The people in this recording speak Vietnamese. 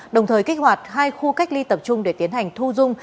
đồng thời kích hoạt hai khu cách ly tập trung để tiến hành thu dung